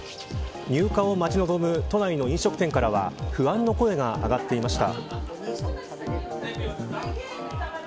入荷を待ち望む都内の飲食店からは不安の声が上がっていました。